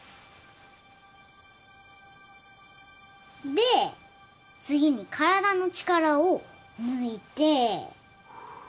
で次に体の力を抜いて。